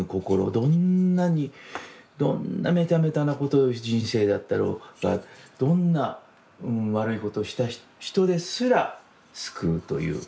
どんなにどんなメタメタなことをした人生だったろうがどんな悪いことをした人ですら救うという。